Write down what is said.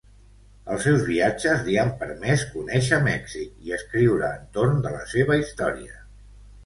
Els seus viatges li han permès conèixer Mèxic i escriure entorn de la seva història.